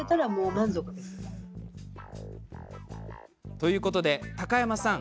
ということで高山さん